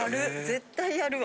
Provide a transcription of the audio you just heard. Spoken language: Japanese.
絶対やるわ。